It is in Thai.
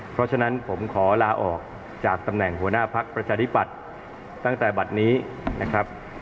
เพราะฉะนั้นผมขอลาออกจากตำแหน่งหัวหน้าพักประชาธิปัตย์ตั้งแต่บัตรนี้นะครับ